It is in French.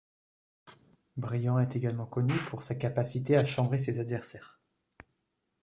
Bryant est également connu pour sa capacité à chambrer ses adversaires.